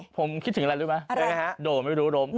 ผมคิดถึงอะไรรู้ไหมฮะโดดไม่รู้ล้ม